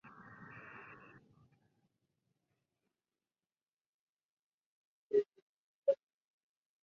Rundgren se negó a producir la canción; en su lugar lo hizo Ian Taylor.